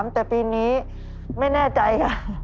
แต่ปีนี้ไม่แน่ใจค่ะ